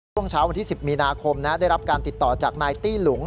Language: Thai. ช่วงเช้าวันที่๑๐มีนาคมได้รับการติดต่อจากนายตี้หลุง